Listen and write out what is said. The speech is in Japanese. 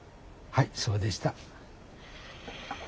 はいそうでした。